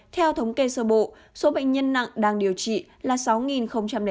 hai theo thống kê sơ bộ số bệnh nhân nặng đang điều trị là sáu tám ca